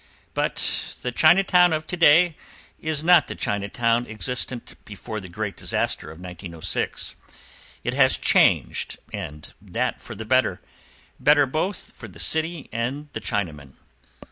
But the Chinatown of to day is not the Chinatown existent before the great disaster of 1906. It has changed, and that for the better, better both for the city and the Chinaman.